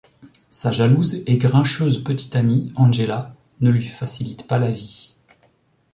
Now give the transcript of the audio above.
Sa jalouse et grincheuse petite amie, Angela ne lui facilite pas la vie.